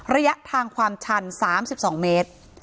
ระยะทางความชัน๓๒เมตร